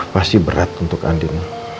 pasti berat untuk andin